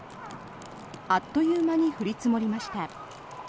あっという間に降り積もりました。